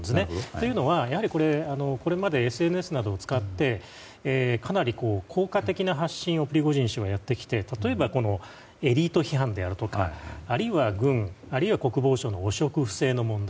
というのはこれまでＳＮＳなどを使ってかなり、効果的な発信をプリゴジン氏はやってきて例えばエリート批判であるとかあるいは軍、あるいは国防省の汚職不正の問題。